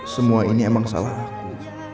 semua ini emang salah aku